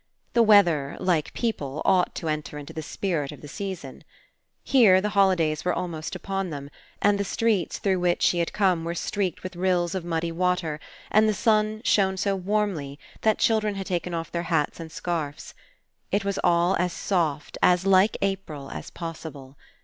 The weather, like people, ought to en ter into the spirit of the season. Here the holi days were almost upon them, and the streets through which she had come were streaked with rills of muddy water and the sun shone so warmly that children had taken off their hats and scarfs. It was all as soft, as like April, as possible.